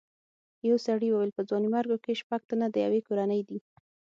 یو سړي وویل په ځوانیمرګو کې شپږ تنه د یوې کورنۍ دي.